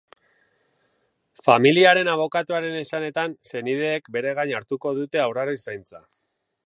Familiaren abokatuaren esanetan, senideek bere gain hartuko dute haurraren zaintza.